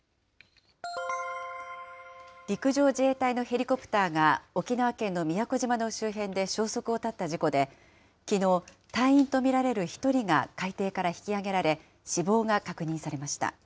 陸上自衛隊のヘリコプターが、沖縄県の宮古島の周辺で消息を絶った事故で、きのう、隊員と見られる１人が海底から引きあげられ、死亡が確認されました。